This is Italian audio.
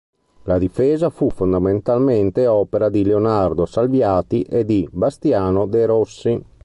La "Difesa" fu fondamentalmente opera di Leonardo Salviati e di Bastiano de' Rossi.